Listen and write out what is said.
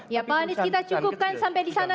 ya pak anies kita cukupkan sampai di sana